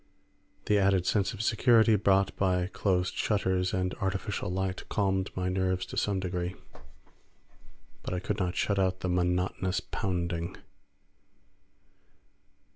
The added sense of security brought by closed shutters and artificial light calmed my nerves to some degree, but I could not shut out the monotonous pounding.